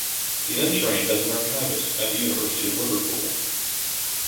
He then trained as an archivist at the University of Liverpool.